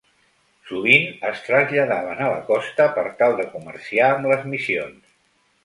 Sovint es traslladaven a la costa per tal de comerciar amb les missions.